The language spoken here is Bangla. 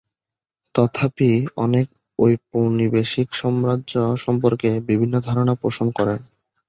তথাপি অনেক ঔপনিবেশিক সাম্রাজ্য সম্পর্কে বিভিন্ন ধারণা পোষণ করে।